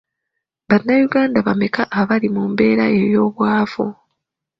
Bannayuganda bameka abali mu mbeera ey'obwavu.